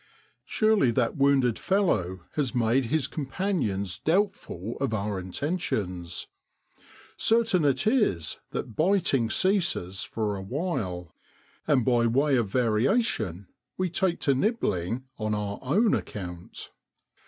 Surely that wounded fellow has made his companions doubtful of our inten tions. Certain it is that biting ceases for a while; and by way of variation we take to nibbling on our own account.